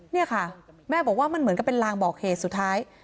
นี่ค่ะแม่บอกว่ามันเหมือนกับเป็นลางบอกเหตุสุดท้าย